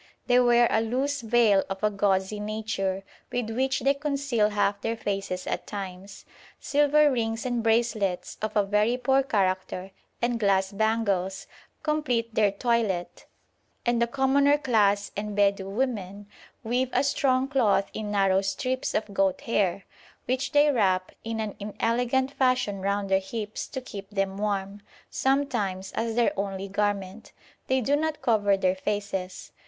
They wear a loose veil of a gauzy nature, with which they conceal half their faces at times. Silver rings and bracelets of a very poor character, and glass bangles, complete their toilet, and the commoner class and Bedou women weave a strong cloth in narrow strips of goat hair, which they wrap in an inelegant fashion round their hips to keep them warm, sometimes as their only garment. They do not cover their faces.